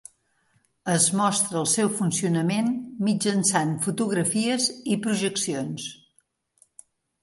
Es mostra el seu funcionament mitjançant fotografies i projeccions.